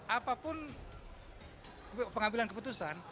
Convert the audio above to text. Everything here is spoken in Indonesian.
apapun pengambilan keputusan